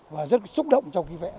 và rất xúc động trong khi vẽ